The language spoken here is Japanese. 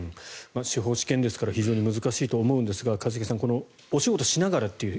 司法試験ですから非常に難しいと思うんですが一茂さんお仕事しながらという。